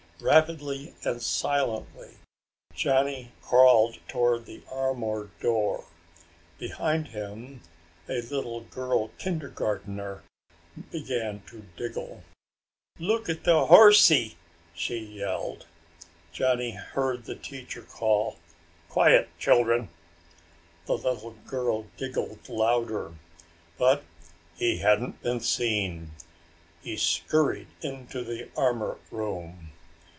Rapidly and silently Johnny crawled toward the armor room. Behind him a little girl kindergartner began to giggle. "Look at the horsie!" she yelled. Johnny heard the teacher call, "Quiet, children!" The little girl giggled louder. But he hadn't been seen! He scurried into the armor room.